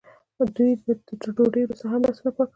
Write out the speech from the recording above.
دوی به تر ډوډۍ وروسته هم لاسونه پاکول.